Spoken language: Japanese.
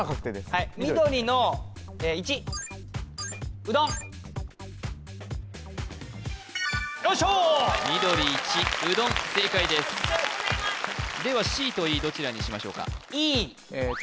はいよいしょー緑１うどん正解ですではＣとＥどちらにしましょうか？